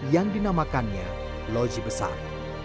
yang dinamakannya loji besar